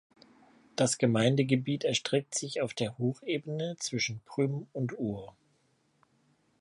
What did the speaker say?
Das Gemeindegebiet erstreckt sich auf der Hochebene zwischen Prüm und Our.